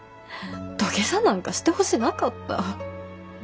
土下座なんかしてほしなかった。